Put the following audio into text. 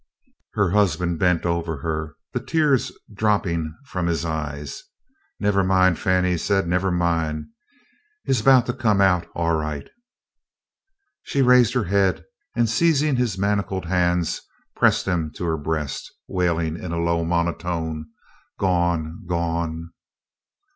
Her husband bent over her, the tears dropping from his eyes. "Nevah min', Fannie," he said, "nevah min'. Hit 's boun' to come out all right." She raised her head, and seizing his manacled hands pressed them to her breast, wailing in a low monotone, "Gone! gone!"